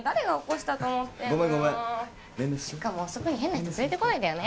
しかも遅くに変な人連れてこないでよね